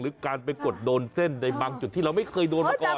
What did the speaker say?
การไปกดโดนเส้นในบางจุดที่เราไม่เคยโดนมาก่อน